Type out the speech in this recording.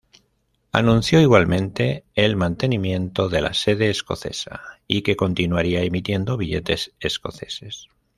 Anunció igualmente el mantenimiento de la sede escocesa y que continuaría emitiendo billetes escoceses.